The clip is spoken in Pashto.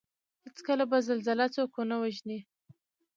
هېڅکله به زلزله څوک ونه وژني